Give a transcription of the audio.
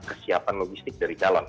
kesiapan logistik dari calon